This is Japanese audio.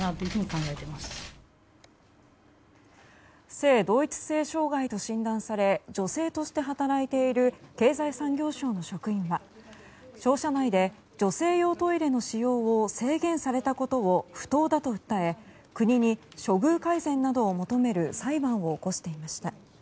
性同一性障害と診断され女性として働いている経済産業省の職員は庁舎内で、女性用トイレの使用を制限されたことを不当だと訴え国に処遇改善などを求める裁判を起こしていました。